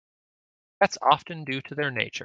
That's often due to their nature.